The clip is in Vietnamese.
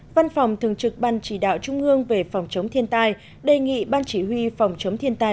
văn phòng thường trực ban chỉ đạo trung ương về phòng chống thiên tai đề nghị ban chỉ huy phòng chống thiên tai